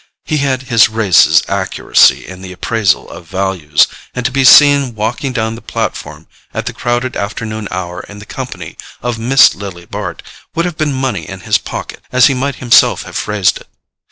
He had his race's accuracy in the appraisal of values, and to be seen walking down the platform at the crowded afternoon hour in the company of Miss Lily Bart would have been money in his pocket, as he might himself have phrased it.